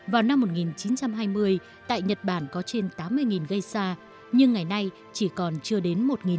từ năm một nghìn chín trăm hai mươi tại nhật bản có trên tám mươi gây sa nhưng ngày nay chỉ còn chưa đến một người